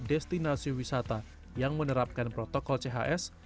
destinasi wisata yang menerapkan protokol chs